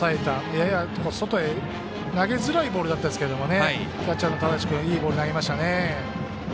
やや外へ投げづらいボールでしたけどねキャッチャーの只石君いいボール投げましたね。